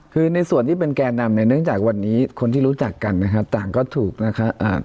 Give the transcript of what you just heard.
คือในส่วนที่เป็นแก่นำเนี่ยเนื่องจากวันนี้คนที่รู้จักกันนะครับต่างก็ถูกนะคะ